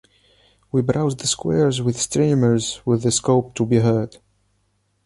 We browse the squares with streamers with the scope to be heard.